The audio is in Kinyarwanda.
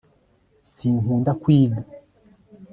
sinkunda kwiga